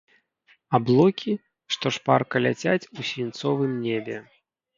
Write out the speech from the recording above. Аблокі, што шпарка ляцяць у свінцовым небе.